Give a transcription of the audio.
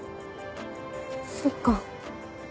そっか。